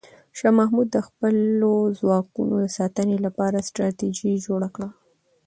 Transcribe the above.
شاه محمود د خپلو ځواکونو د ساتنې لپاره ستراتیژي جوړه کړه.